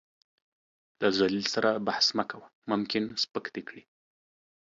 له ذليل سره بحث مه کوه ، ممکن سپک دې کړي .